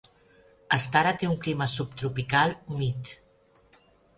Astara té un clima subtropical humit.